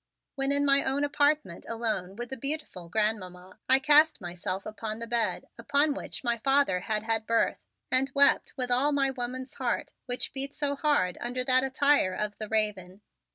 When in my own apartment, alone with the beautiful Grandmamma, I cast myself upon the bed upon which my father had had birth, and wept with all my woman's heart which beat so hard under that attire of the raven.